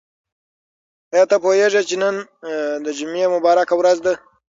آیا ته پوهېږې چې نن د جمعې مبارکه ورځ ده؟